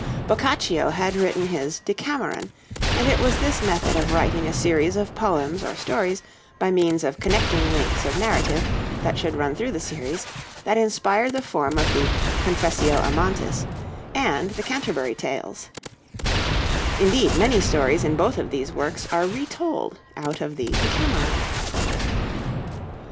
Boccaccio had written his 'Decameron,' and it was this method of writing a series of poems or stories by means of connecting links of narrative that should run through the series, that inspired the form of the 'Confessio Amantis' and the 'Canterbury Tales'; indeed, many stories in both of these works are retold out of the 'Decameron.'